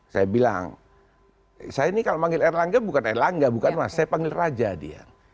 saya bilang saya ini kalau memanggil erlangga bukan erlangga bukan mas saya panggil raja dia